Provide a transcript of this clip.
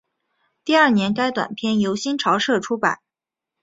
第二年该短篇由新潮社出版。